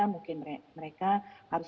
mungkin mereka harus